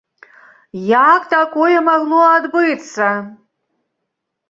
Як такое магло адбыцца?